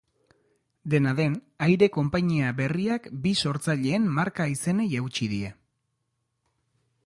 Dena den, aire-konpainia berriak bi sortzaileen marka-izenei eutsi die.